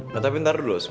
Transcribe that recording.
nah tapi ntar dulu ustadz